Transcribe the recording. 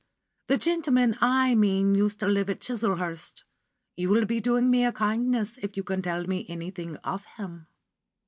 'The gentleman I mean used to live at Chislehurst. You will be doing me a kindness if you can tell me anything of him.